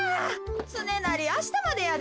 つねなりあしたまでやで。